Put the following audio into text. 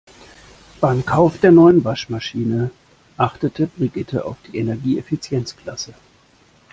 Beim Kauf der neuen Waschmaschine achtete Brigitte auf die Energieeffizienzklasse.